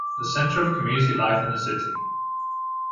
The center of community life in the city.